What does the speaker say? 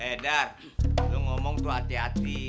eh dar lu ngomong tuh hati hati